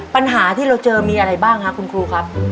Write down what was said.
ปัญหาที่เราเจอมีอะไรบ้างครับคุณครูครับ